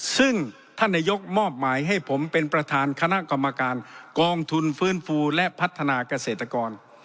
ซึ่งท่านนายกมอบหมายให้ผมเป็นประธานคณะกรรมการกองทุนฟื้นฟูและพัฒนาเกษตรกร